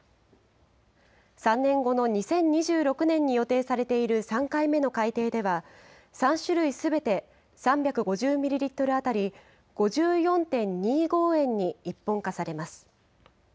３年後の２０２６年に予定されている３回目の改定では、３種類すべて３５０ミリリットル当たり５４．２５円に一本化されます。